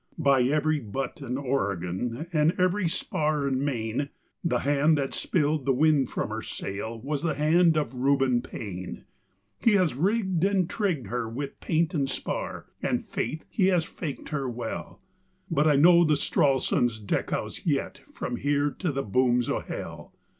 By every butt in Oregon and every spar in Maine, The hand that spilled the wind from her sail was the hand of Reuben Paine! He has rigged and trigged her with paint and spar, and, faith, he has faked her well But I'd know the Stralsund's deckhouse yet from here to the booms o' Hell.